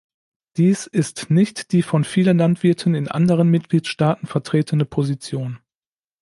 Dies ist nicht die von vielen Landwirten in anderen Mitgliedstaaten vertretene Position.